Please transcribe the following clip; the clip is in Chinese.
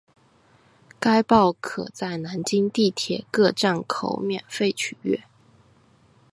该报可在南京地铁各站台口免费取阅。